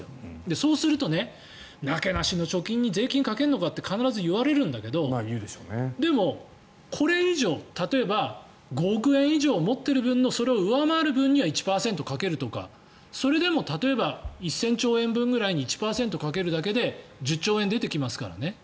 そうすると、なけなしの貯金に税金かけるのかって必ず言われるんだけどでも、これ以上例えば５億円以上持っている分のそれを上回る分には１％掛けるとかそれでも例えば１０００兆円分ぐらいに１％かけるだけで１０兆円出てきますからね。